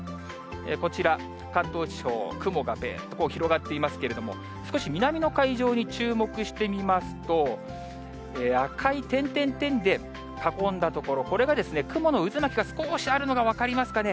こちら、関東地方、雲がベーっと広がっていますけれども、少し南の海上に注目してみますと、赤い点々々で囲んだ所、これが雲の渦巻きが少しあるのが分かりますかね。